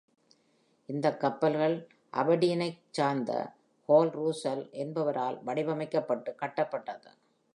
இந்த கப்பல்கள் அபர்டீனைச் சார்ந்த ஹால் ருசல் என்பவரால் வடிவமைக்கப்பட்டு கட்டப்பட்டது.